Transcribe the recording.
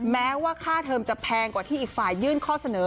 แม้ว่าค่าเทอมจะแพงกว่าที่อีกฝ่ายยื่นข้อเสนอ